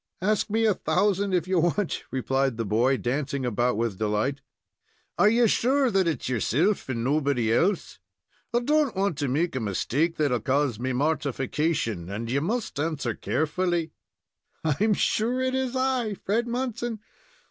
"Ask me a thousand, if you want," replied the boy, dancing about with delight. "Are ye sure that it's yoursilf and nobody else? I don't want to make a mistake that'll cause me mortification, and ye must answer carefully.'' "I'm sure it is I, Fred Munson."